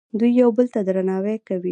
دوی یو بل ته درناوی کوي.